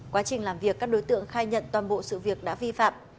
quá trình làm việc các đối tượng khai nhận toàn bộ sự việc đã vi phạm